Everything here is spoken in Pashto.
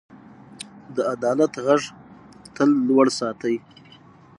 د عدالت غږ تل لوړ ساتئ.